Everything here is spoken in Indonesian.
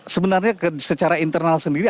sebenarnya secara internal sendiri